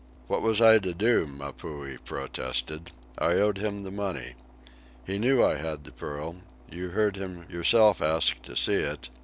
"What was I to do?" Mapuhi protested. "I owed him the money. He knew I had the pearl. You heard him yourself ask to see it.